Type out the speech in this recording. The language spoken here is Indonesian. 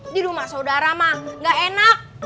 di rumah saudara mah gak enak